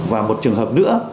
và một trường hợp nữa